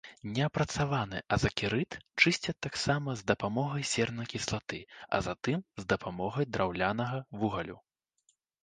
Неапрацаваны азакерыт чысцяць таксама з дапамогай сернай кіслаты, а затым з дапамогай драўнянага вугалю.